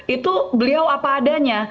itu beliau apa adanya